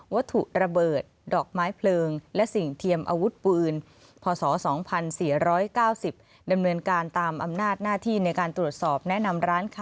วัตถุระเบิดดอกไม้เพลิงและสิ่งเทียมอาวุธปืนพศ๒๔๙๐ดำเนินการตามอำนาจหน้าที่ในการตรวจสอบแนะนำร้านค้า